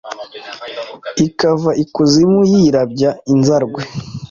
ikava ikuzimu yirabye inzarwe,